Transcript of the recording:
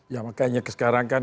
ya makanya sekarang kan